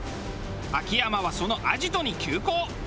秋山はそのアジトに急行。